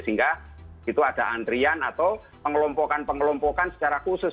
sehingga itu ada antrian atau pengelompokan pengelompokan secara khusus